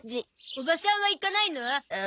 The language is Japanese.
おばさんは行かないの？